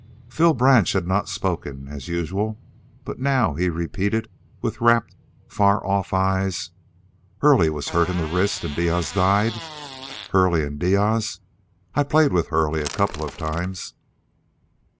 Phil Branch had not spoken, as usual, but now he repeated, with rapt, far off eyes: "'Hurley was hurt in the wrist and Diaz died?' Hurley and Diaz! I played with Hurley, a couple of times."